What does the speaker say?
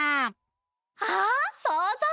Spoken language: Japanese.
あっそうぞう！